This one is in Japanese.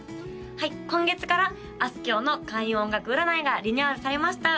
はい今月からあすきょうの開運音楽占いがリニューアルされました